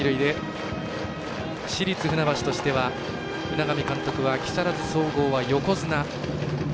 市立船橋としては海上監督は木更津総合は横綱。